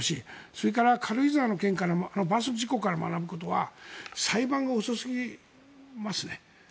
それから、軽井沢の件あのバス事故から学ぶことは裁判が遅すぎますね。